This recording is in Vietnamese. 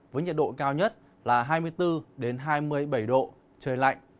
với nhiệt độ cao nhất là hai mươi bốn hai mươi bảy độ trời lạnh